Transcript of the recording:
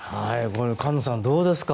菅野さん、どうですか？